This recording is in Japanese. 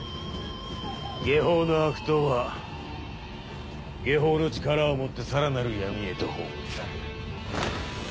外法の悪党は外法の力をもってさらなる闇へと葬り去る。